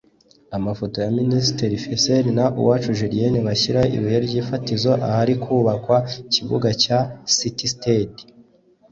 Amafoto ya Minisitiri Flessel na Uwacu Julienne bashyira ibuye ry’ifatizo ahari kubakwa ikibuga cya “CityStade”